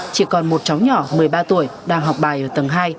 chỉ còn một cháu nhỏ một mươi ba tuổi đang học bài ở tầng hai